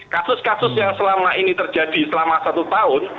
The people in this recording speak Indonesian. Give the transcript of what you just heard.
kasus kasus yang selama ini terjadi selama satu tahun